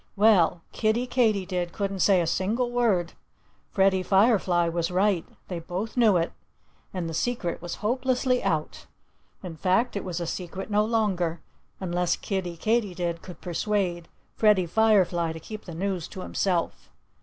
Well, Kiddie Katydid couldn't say a single word. Freddie Firefly was right. They both knew it. And the secret was hopelessly "out." In fact, it was a secret no longer unless Kiddie Katydid could persuade Freddie Firefly to keep the news to himself.